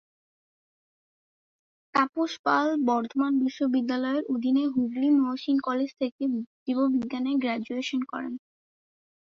তাপস পাল বর্ধমান বিশ্ববিদ্যালয়ের অধীনে হুগলী মহসিন কলেজ থেকে জীববিজ্ঞানে গ্র্যাজুয়েশন করেন।